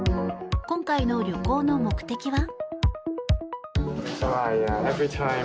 今回の旅行の目的は？